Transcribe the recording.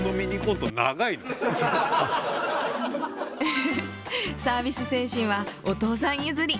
フフフサービス精神はお父さん譲り。